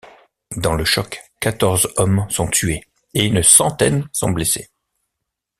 Dans le choc, quatorze hommes sont tués, et une centaine sont blessés.